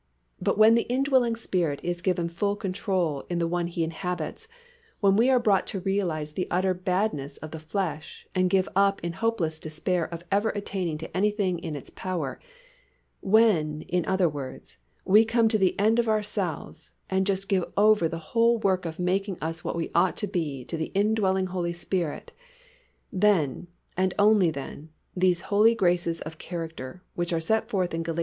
But when the indwelling Spirit is given full control in the one He inhabits, when we are brought to realize the utter badness of the flesh and give up in hopeless despair of ever attaining to anything in its power, when, in other words, we come to the end of ourselves, and just give over the whole work of making us what we ought to be to the indwelling Holy Spirit, then and only then, these holy graces of character, which are set forth in Gal.